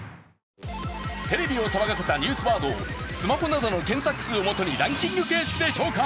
テレビを騒がせたニュースワードをスマホや携帯などの検索数をもとにランキング形式で紹介。